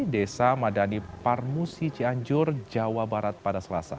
desa madani parmusi cianjur jawa barat pada selasa